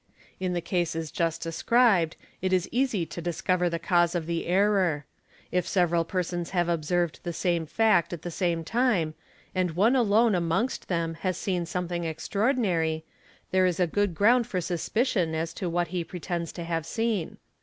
In the cases just described it is easy t discover the cause of the error. If several persons have observed the same fact at the same time and one alone amongst them has seen something extraordinary, there is a good ground for suspicion as to what he pretends to have seen.